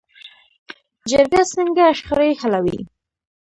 جرګه څنګه شخړې حلوي؟